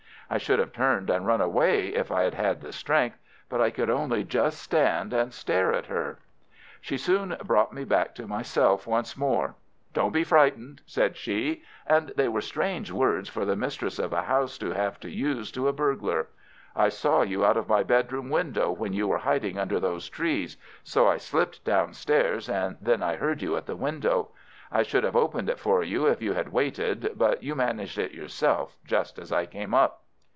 I should have turned and run away if I had had the strength, but I could only just stand and stare at her. She soon brought me back to myself once more. "Don't be frightened!" said she, and they were strange words for the mistress of a house to have to use to a burglar. "I saw you out of my bedroom window when you were hiding under those trees, so I slipped downstairs, and then I heard you at the window. I should have opened it for you if you had waited, but you managed it yourself just as I came up."